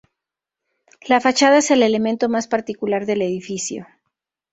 La fachada es el elemento más particular del edificio.